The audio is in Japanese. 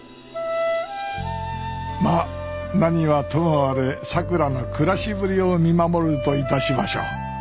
まっ何はともあれさくらの暮らしぶりを見守るといたしましょう。